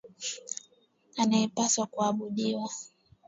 Anayepaswa kuabudiwa.